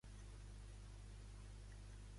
A on vivia la dea?